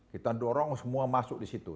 kita dorong semua masuk di situ